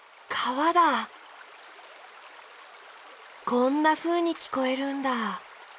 こんなふうにきこえるんだ。